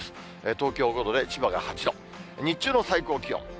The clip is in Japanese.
東京５度で千葉が８度、日中の最高気温。